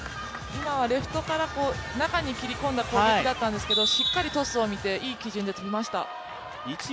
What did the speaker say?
今はレフトから中に切り込んだ攻撃だったんですけどしっかりトスをみていい基準で跳びました。